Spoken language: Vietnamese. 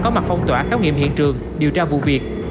có mặt phong tỏa khám nghiệm hiện trường điều tra vụ việc